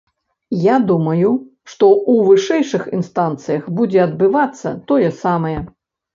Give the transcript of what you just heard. Я думаю, што ў вышэйшых інстанцыях будзе адбывацца тое самае.